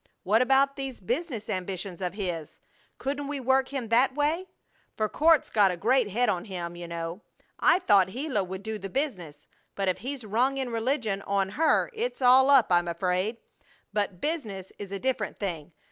What about these business ambitions of his? Couldn't we work him that way? For Court's got a great head on him, you know! I thought Gila would do the business, but if he's rung in religion on her it's all up, I'm afraid. But business is a different thing.